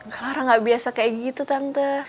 kelarang gak biasa kayak gitu tante